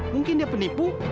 mungkin dia penipu